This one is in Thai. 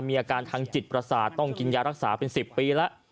มีอาการทางจิตประสาทต้องกินยารักษาเป็น๑๐ปีแล้ว